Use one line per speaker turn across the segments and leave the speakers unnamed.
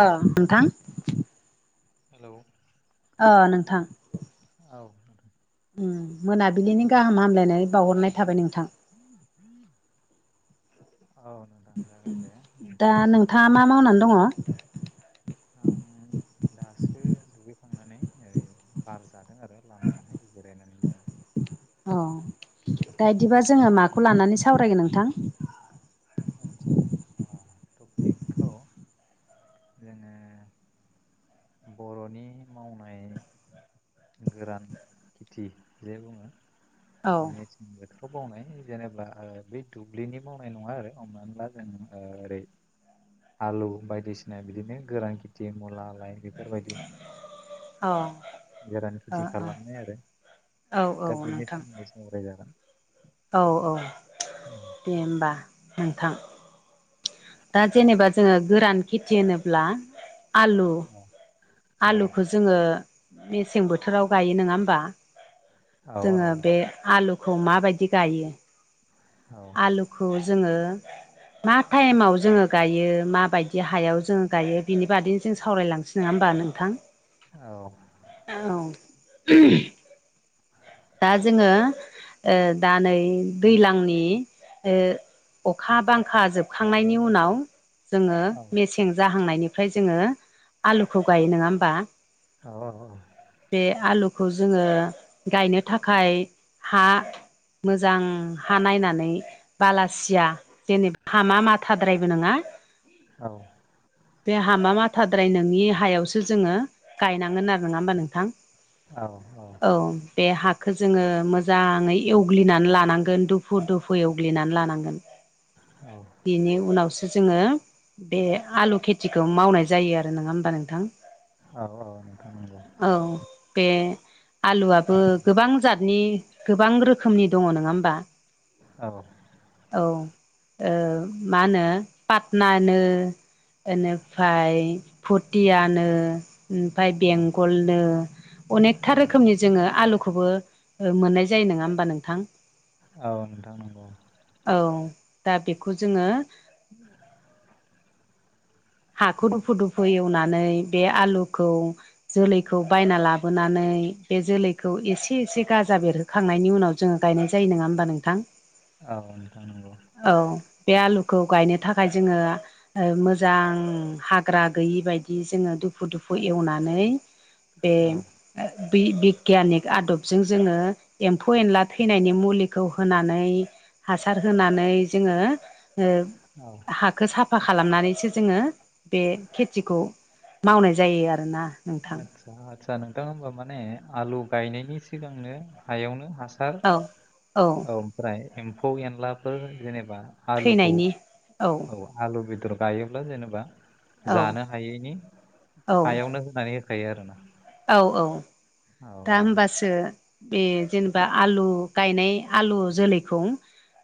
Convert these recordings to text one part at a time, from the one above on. अ नोंथां
हेलौ
अ नोंथां।
औ
उम मोनाबिलिनि गाहाम हामलायनाय बावहरनाय थाबाय नोंथां।
औ। नोंथां जागोन दे
दा
नोंथांनिसिमबो
नोंथाङा मा मावनानै दङ?
आङो दासो दुगैखांनानै ओ बार जादों आरो लामायावहाय जिरायनानै दङ।
अ दा बिदिबा जोङो
नोंथाङालाय
माखौ लानानै सावरायगोन नोंथां?
आतसा अ टपिकखौ जोङो बर'नि मावनाय गोरान खेथि जे बुङो
औ
[unintelligible] बेखौ बावनाय जेनेबा बै दुब्लिनि मावनाय नङा आरो हमनानै ला जों ओरै आलु बायदिसिना बिदिनो गोरान खेथि मुला लइ बेफोरबाय
औ
बेरान
ओ
खुथि
ओ
खालामनाय आरो
औ औ
दा बेनि
नोंथां
सोमोन्दै सावरायजागोन।
औ औ दे होमबा मोनथां दा जेनबा जोङो गोरान खेथि होनोब्ला आलु
औ। औ
आलुखौ जोङो मेसें बोथोराव गायो नङा होमबा?
औ
जोङो बे आलुखौ माबायदि गायो
औ
आलु खौ जोङो मा टाइमाव जोङो गायो माबायदि हायाव जोङो गायो बिनि बादैनो जों सावरायलांनोसै नङा होमबा नों थां।
औ।
औ। दा जोङो ओ दा नै दैज्लांनि ओ अखा बांखा जोबखांनायनि उनाव जोङो
औ
मेसें जाहांनायनिफ्राय जोङो आलुखौ गायो नङा होमबा?
औ
बे आलुखौ जोङो गायनो थाखाय हा मोजां हा नायनानै बालासिया जेने हामा माथाद्रायबो नङा
औ।
बे हामा माथाद्राय नोंनि हायावसो जोङो गायनांगोन आरो नङा होमबा नोंथां औ बे हा खौ जोङो मोजाङै एवग्लिनानै लानांगोन दुफु दुफु एवग्लिनानै लानांगोन।
औ।
बिनि उनावसो जोङो बे आलु खेथिखौ मावनाय जायो आरो। नङा होमबा नोंथां?
औ औ नोंथां नंगौ।
औ बे आलुआबो गोबां जातनि गोबां रोखोमनि दङ नङा होमबा?
औ।
औ मा होनो पाटनानो बेनिफ्राय पुथियानो ओमफाय बेंगलनो। अनेकथा
औ
रोखोमनि जोङो आलुखौबो मोननाय जायो नङा होमबा नोंथां?
औ नोंथां नंग'
औ दा बेखौ जोङो हाखौ दुफु दुफु एवनानै बे आलुखौ जोलैखौ बायना लाबोनानै बे जोलैखौ एसे एसे गाजा बेरहो खांनायनि उनाव जोङो गायनाय जायो नङा होमबा नोंथां
औ नोंथां नंगौ
औ बे आलुखौ गायनो थाखाय जोङो ओ मोजां ओ हाग्रा गैयि बायदि जोङो दुफु दुफु एवनानै बे
औ
ओ बि बिगियानिक आदबजों जोङो एम्फौ एनला थैनायनि मुलिखौ होनानै हासार होनानै जोङो ओ
औ
हाखो साफा खालामनानैसो जोङो बे खेथिखौ मावनाय जायो आरोना नोंथां
आदसा आदसा नोंथां होमबा माने आलु गायनायनि सिगांनो हायावनो हासा र
औ
औ ओमफ्राय एम्फौ एनलाफोर जेनेबा आलुखौ
थैनायनि
औ आलु बेदर गायोब्ला जेनेबा
औ
जानो हायैनि
औ
हायावनो हो नानै होखायो आरोना
औ औ
औ
दा होमबासो बे जेनेबा आलु गायनाय आलु जोलैखौ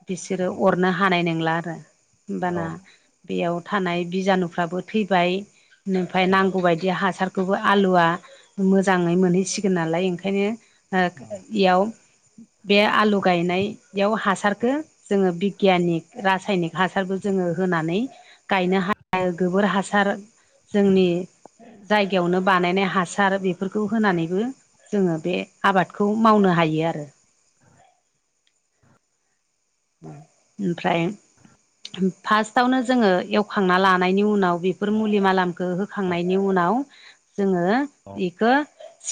बिसोरो
औ औ
अरनो हानाय नंला आरो
औ औ
होनबाना बेयाव थानाय बिजानुफ्राबो थैबाय मफ्राय नांगौबायदि बिदि हासारखौबो आलुआ मोजाङै मोनहैसिगोन नालाय ओंखायनो ओ इयाव बे आलु गायनायाव हासारखो जोङो बिगियानिक रासायनिक हासारबो जोङो होनानै गायनो हाया गोबोर हासार जोंनि जायगायावनो बानायनाय हा हासार बेफोरखौ होनानैबो जोङो बे आबादखौ मावनो हायो आरो
[unintelligible]
ओमफ्राय फास्टआवनो जोङो एवखांना लानायनि उनाव बेफोर मुलि मालामखो होखांनायनि उनाव जोङो
नोंथां
इखौ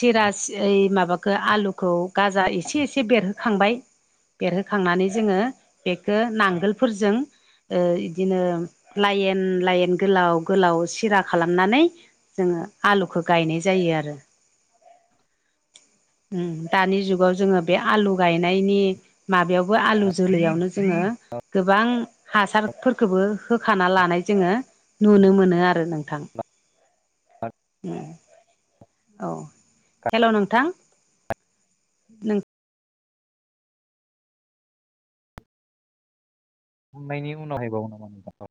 सिरास ओइ माबाखो आलु खौ गाजा एसे एसे बेरहोखांबाय बेरहोखांनानै जोङो बेखो नांगोलफोरजों ओ इदिनो लायेन लायेन गोलाव गोलाव सिरा खालामनानै जोङो आलुखो गायनाय जायो आरो ओम दानि जुगाव जोङो बे आलु गायनायनि माबायावबो आलु
दा
जोलैयावनो जोङो गोबां हासारफोरखोबो होखाना लानाय जोङो नुनो मोनो आरो नोंथां
बिदिब्ला [unintelligible]
[unintelligible] औ हेल' नोंथां नों
हमनायनि [unintelligible]